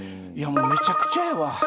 めちゃくちゃやわ。